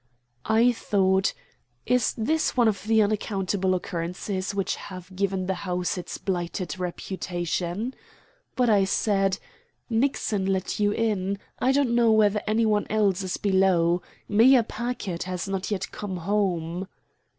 I thought, "Is this one of the unaccountable occurrences which have given the house its blighted reputation?" but I said: "Nixon let you in. I don't know whether any one else is below. Mayor Packard has not yet come home."